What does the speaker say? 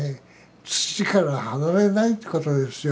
土から離れないってことですよ。